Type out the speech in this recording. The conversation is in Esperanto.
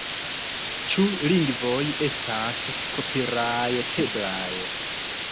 Ĉu lingvoj estas kopirajteblaj